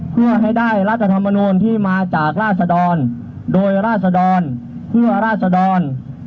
เพื่อให้ได้รัฐธรรมนูลที่มาจากราศดรโดยราศดรเพื่อราศดร